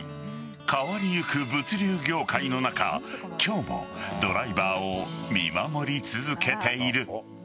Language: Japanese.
変わりゆく物流業界の中今日もドライバーを見守り続けている。